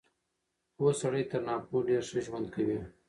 پوه سړی تر ناپوهه ډېر ښه ژوند کوي.